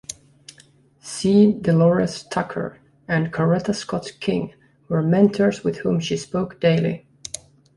C. DeLores Tucker, and Coretta Scott King were mentors with whom she spoke daily.